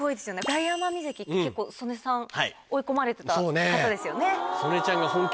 大奄美関って結構曽根さん追い込まれてた方ですよね。